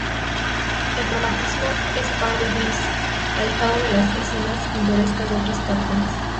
El cromatismo es pardo y gris, alejado de las escenas pintorescas de otras cartones.